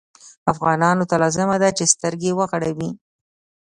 افغانانو ته لازمه ده چې سترګې وغړوي.